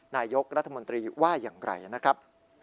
นายกรัฐมนตรีว่าอย่างไรนะครับ